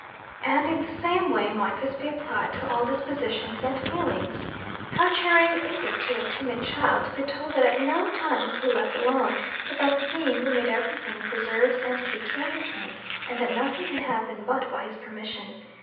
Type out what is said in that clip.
And in the same way might this be applied to all dispositions and feelings. How cheering is it to a timid child to be told that at no time is he left alone: but that the Being who made every thing preserves and keeps every thing, and that nothing can happen but by his permission!